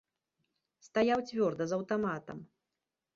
Стаяў цвёрда, з аўтаматам.